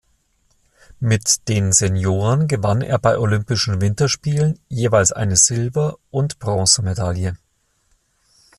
Mit den Senioren gewann er bei Olympischen Winterspielen jeweils eine Silber- und Bronzemedaille.